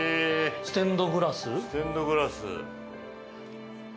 ステンドグラス。